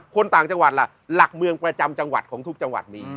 คนต่างจังหวัดล่ะหลักเมืองประจำจังหวัดของทุกจังหวัดนี้